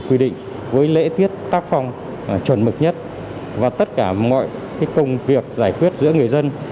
quy định với lễ tiết tác phong chuẩn mực nhất và tất cả mọi công việc giải quyết giữa người dân